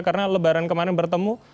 karena lebaran kemarin bertemu